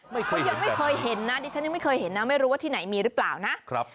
ก็ยังไม่เคยเห็นนะดิฉันยังไม่เคยเห็นนะไม่รู้ว่าที่ไหนมีหรือเปล่านะ